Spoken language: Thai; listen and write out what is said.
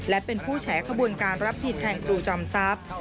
และเป็นผู้แฉขบวนการรับผิดแทนครูจอมทรัพย์